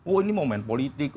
oh ini mau main politik